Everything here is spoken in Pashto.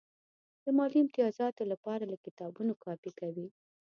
د مالي امتیازاتو لپاره له کتابونو کاپي کوي.